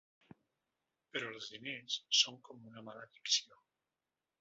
Però els diners són com una mala… addicció.